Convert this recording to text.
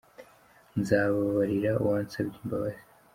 Nzababarira uwansabye imbabazi.